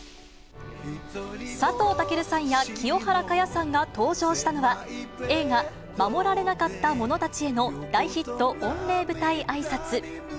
佐藤健さんや清原果耶さんが登場したのは、映画、護られなかった者たちへの大ヒット御礼舞台あいさつ。